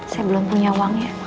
saya belum punya uangnya